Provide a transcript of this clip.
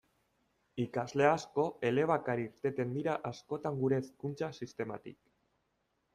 Ikasle asko elebakar irteten dira askotan gure hezkuntza sistematik.